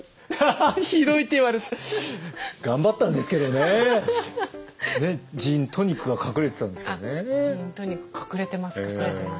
あっ「ジントニック」隠れてます隠れてます。